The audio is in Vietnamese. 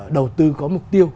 đầu tư có mục tiêu